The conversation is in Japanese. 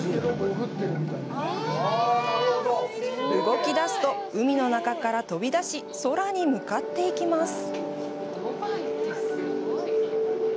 動き出すと、海の中から飛び出し空に向かっていきます。